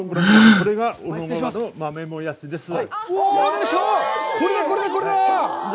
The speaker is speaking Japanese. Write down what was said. これが小野川の豆もやしです。